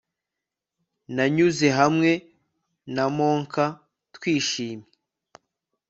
nanyuze hamwe na monka twishimye